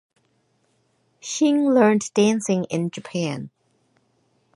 Hsing learned dancing in Japan.